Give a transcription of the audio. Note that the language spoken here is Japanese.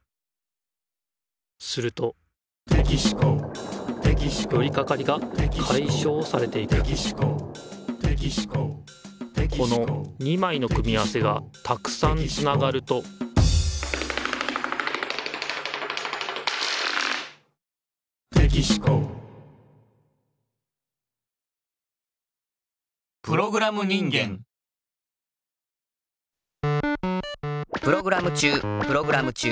するとよりかかりがかいしょうされていくこの２まいの組み合わせがたくさんつながるとプログラム中プログラム中。